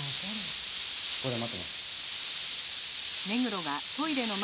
ここで待ってます。